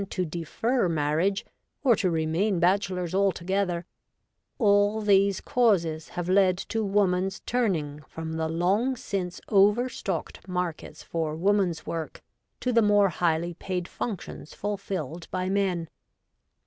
to defer marriage, or to remain bachelors altogether — all these causes have led to woman's turning from the long since overstocked markets for woman's work to the more highly paid functions fulfilled by men.